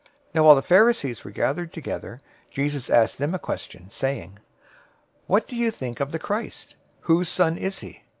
022:041 Now while the Pharisees were gathered together, Jesus asked them a question, 022:042 saying, "What do you think of the Christ? Whose son is he?"